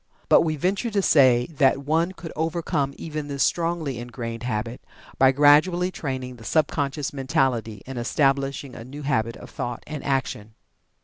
But we venture to say that one could overcome even this strongly ingrained habit, by gradually training the sub conscious mentality and establishing a new habit of thought and action.